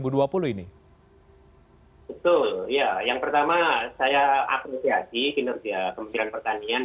betul ya yang pertama saya apresiasi pemerintahan pertanian